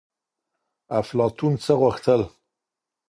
افلاطون څه غوښتل؟